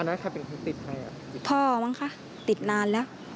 อันนั้นใครเป็นคนติดให้พ่อมั้งค่ะติดนานแล้ว